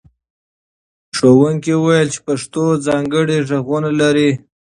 ښوونکي وویل چې پښتو ځانګړي غږونه لري.